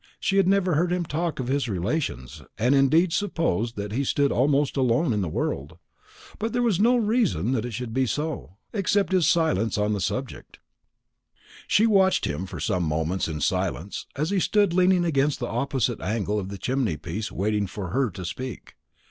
She had never heard him talk of his relations, had indeed supposed that he stood almost alone in the world; but there was no reason that it should be so, except his silence on the subject. She watched him for some moments in silence, as he stood leaning against the opposite angle of the chimney piece waiting for her to speak.